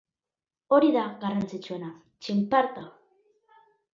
Hori da garrantzitsuena, txinparta.